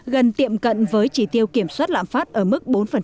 gần tiệm cận với chỉ tiêu kiểm soát lạm phát ở mức bốn một mươi chín